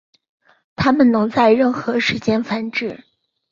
它们能在任何时间繁殖。